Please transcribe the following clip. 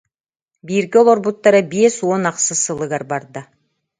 Бииргэ олорбуттара биэс уон ахсыс сылыгар барда